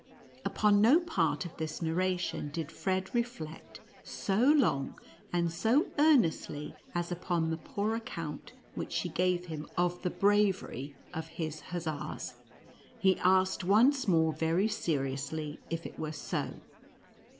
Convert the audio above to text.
Upon no part of this narration did Fred reflect so long and so earnestly as upon the poor account which she gave him of the bravery of his hussars. He asked once more very seriously, if it were so.